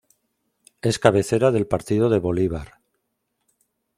Es cabecera del partido de Bolívar.